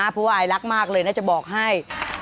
เพราะว่าไอรักมากเลยน่าจะบอกให้